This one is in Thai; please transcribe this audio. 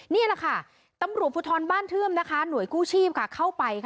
นี่แหละค่ะตำรวจภูทรบ้านเทื่อมนะคะหน่วยกู้ชีพเข้าไป